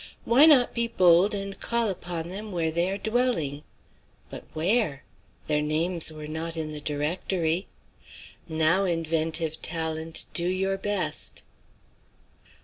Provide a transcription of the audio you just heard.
Why not be bold and call upon them where they were dwelling? But where? Their names were not in the directory. Now, inventive talent, do your best.